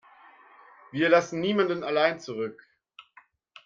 Wir lassen niemanden allein zurück.